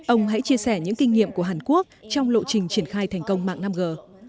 ông hãy chia sẻ những kinh nghiệm của hàn quốc trong lộ trình triển khai thành công mạng năm g